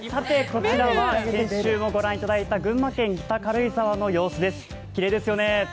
こちらは先週もご覧いただいた群馬県北軽井沢の様子です。